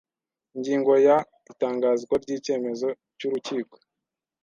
Ingingo ya Itangazwa ry icyemezo cy urukiko